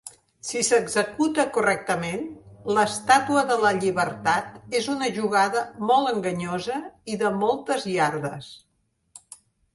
Si s'executa correctament, l'Estàtua de la Llibertat és una jugada molt enganyosa i de moltes iardes.